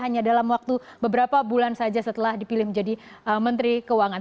hanya dalam waktu beberapa bulan saja setelah dipilih menjadi menteri keuangan